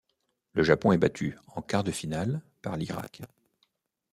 Le Japon est battu en quarts de finale par l'Irak.